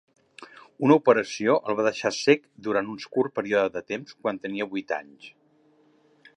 Una operació el va deixar cec durant un curt període de temps quan tenia vuit anys.